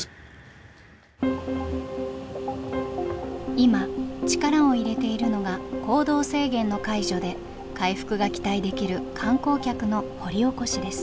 今力を入れているのが行動制限の解除で回復が期待できる観光客の掘り起こしです。